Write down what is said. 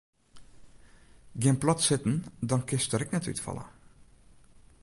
Gean plat sitten dan kinst der ek net útfalle.